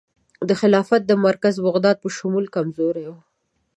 د خلافت د مرکز بغداد په شمول کمزوري وه.